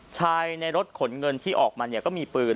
ชายในรถขนเงินที่ออกมาก็มีปืน